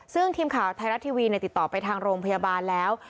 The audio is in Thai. ซึ่งทีมข่าวไทยรัฐทีวีติดต่อไปทางโรงพยาบาลแล้ว